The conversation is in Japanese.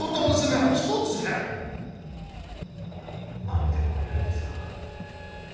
何でもよいですが。